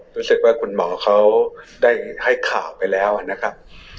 รู้สึกว่าคุณหมอเขาได้ให้ข่าวไปแล้วนะครับ